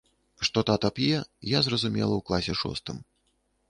Што тата п'е, я зразумела ў класе шостым.